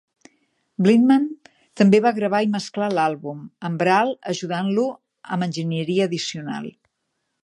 Blinman també va gravar i mesclar l'àlbum, amb Brahl ajudant amb enginyeria addicional.